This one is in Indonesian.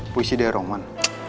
puisi dari roman